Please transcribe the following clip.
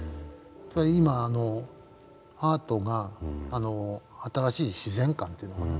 今アートが新しい自然観というのかな